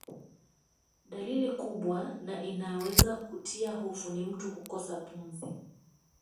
Dalili kubwa na inayoweza kutia hofu ni mtu kukosa pumzi